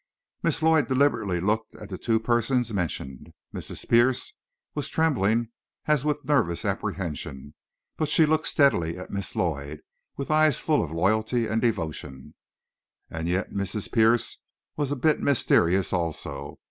Miss Lloyd deliberately looked at the two persons mentioned. Mrs. Pierce was trembling as with nervous apprehension, but she looked steadily at Miss Lloyd, with eyes full of loyalty and devotion. And yet Mrs. Pierce was a bit mysterious also.